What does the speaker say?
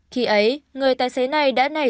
khi ấy người tài xế này đã nảy